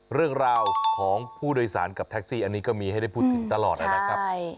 เรื่องราวของผู้โดยสารกับแท็กซี่อันนี้ก็มีให้ได้พูดถึงตลอดนะครับ